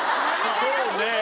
そうね。